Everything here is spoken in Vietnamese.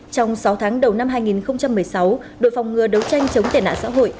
trong sáu tháng đầu năm hai nghìn một mươi sáu đội phòng ngừa đấu tranh chống tệ nạn xã hội